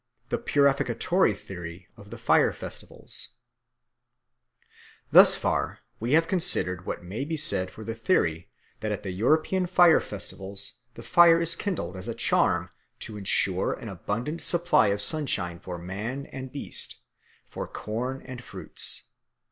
The Purificatory Theory of the Fire festivals THUS far we have considered what may be said for the theory that at the European fire festivals the fire is kindled as a charm to ensure an abundant supply of sunshine for man and beast, for corn and fruits.